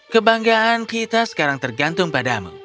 kebanggaan kita sekarang tergantung pada apa